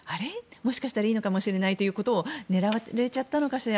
もしかしたらいいのかもしれないということを狙われちゃったのかしら